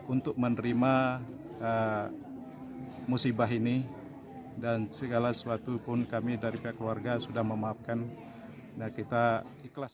untuk menerima musibah ini dan segala sesuatu pun kami dari pihak keluarga sudah memaafkan nah kita ikhlas